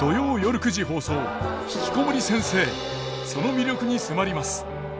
その魅力に迫ります。